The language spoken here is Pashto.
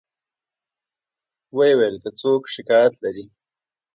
و یې ویل که څوک شکایت لري.